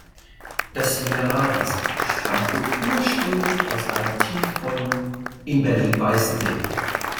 Das Mineralwasser stammte ursprünglich aus einem Tiefbrunnen in Berlin-Weißensee.